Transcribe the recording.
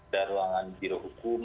dan ruangan jirohukum